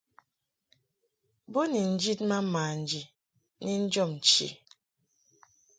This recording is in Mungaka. Bo njid ma manji ni njɔb nchi.